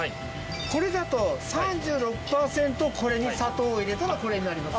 これだと３６％これに砂糖を入れたらこれになります